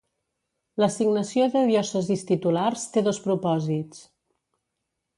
L'assignació de diòcesis titulars té dos propòsits.